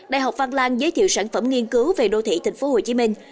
đại học phan lan giới thiệu sản phẩm nghiên cứu về đô thị thành phố hồ chí minh